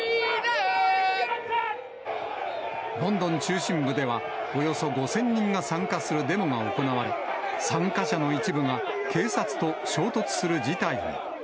ロンドン中心部では、およそ５０００人が参加するデモが行われ、参加者の一部が警察と衝突する事態に。